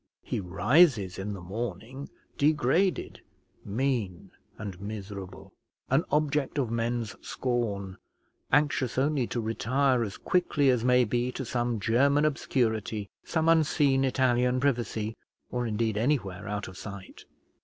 He rises in the morning degraded, mean, and miserable; an object of men's scorn, anxious only to retire as quickly as may be to some German obscurity, some unseen Italian privacy, or indeed, anywhere out of sight.